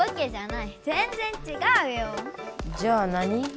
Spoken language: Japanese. じゃあ何？